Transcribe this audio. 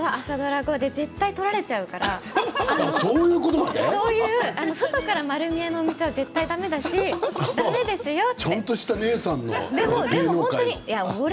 朝ドラ後で絶対に撮られちゃうから外から丸見えの店は絶対にだめですよって。